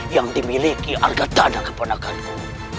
yang dimiliki harga dana kepenaganku